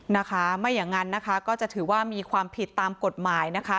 นะคะไม่อย่างนั้นนะคะก็จะถือว่ามีความผิดตามกฎหมายนะคะ